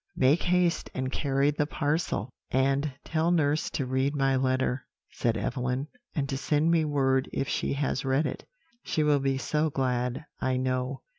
Make haste and carry the parcel.' "'And tell nurse to read my letter,' said Evelyn; 'and to send me word if she has read it; she will be so glad, I know.'